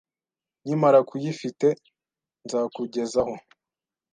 Nkimara kuyifite, nzakugezaho